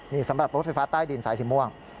นี่สำหรับรถไฟฟ้าใต้ดินสายสีม่วง